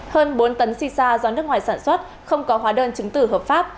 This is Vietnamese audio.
hơn bốn tấn xì xa do nước ngoài sản xuất không có hóa đơn chứng tử hợp pháp